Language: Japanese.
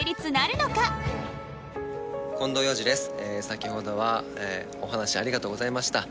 「先ほどはお話ありがとうございました」